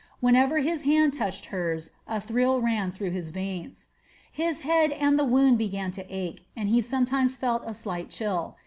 Whenever his hand touched hers a thrill ran through his veins. His head and the wound began to ache, and he sometimes felt a slight chill.